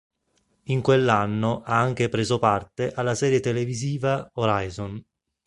In quell'anno ha anche preso parte alla serie televisiva "Horizon".